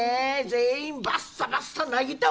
全員バッサバッサなぎ倒す。